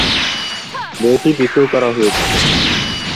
এই বইটি বিক্রয় করা হয়েছিল।